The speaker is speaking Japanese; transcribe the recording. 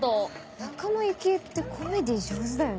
仲間由紀恵ってコメディー上手だよね。